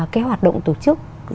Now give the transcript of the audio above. cái hoạt động tổ chức